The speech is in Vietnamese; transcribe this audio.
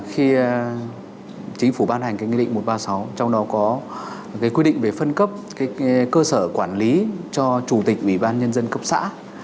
khi chính phủ ban hành nghị định một trăm ba mươi sáu trong đó có quy định về phân cấp cơ sở quản lý cho chủ tịch ủy ban nhân dân cấp xã